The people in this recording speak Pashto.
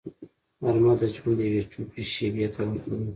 غرمه د ژوند یوې چوپې شیبې ته ورته ده